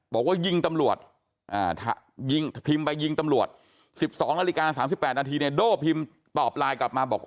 บอกว่ายิงตำรวจสิบสองนาฬิกา๓๘นาทีโด้พิมพ์ตอบไลน์กลับมาบอก